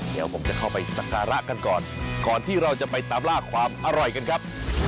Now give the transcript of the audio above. เดี๋ยวผมจะเข้าไปสักการะกันก่อนก่อนที่เราจะไปตามล่าความอร่อยกันครับ